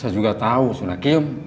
saya juga tau sunakim